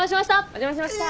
お邪魔しました。